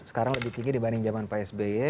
sekarang lebih tinggi dibanding zaman psby